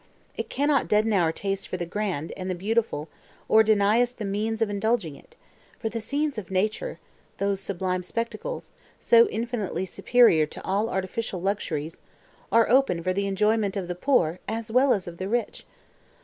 It cannot deaden our taste for the grand, and the beautiful, or deny us the means of indulging it; for the scenes of nature—those sublime spectacles, so infinitely superior to all artificial luxuries! are open for the enjoyment of the poor, as well as of the rich.